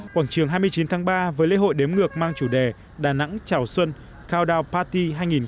quảng trường hai mươi chín tháng ba với lễ hội đếm ngược mang chủ đề đà nẵng chào xuân countdown party hai nghìn một mươi tám